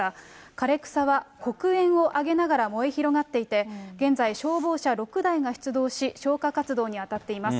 枯れ草は黒煙を上げながら燃え広がっていて、現在、消防車６台が出動し、消火活動に当たっています。